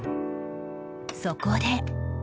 そこで